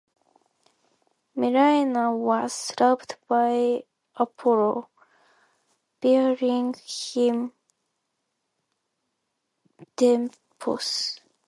Melaina was loved by Apollo, bearing him Delphos.